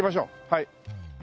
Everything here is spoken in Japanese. はい。